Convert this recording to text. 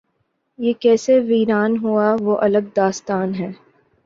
یہ کیسے ویران ہوا وہ الگ داستان ہے۔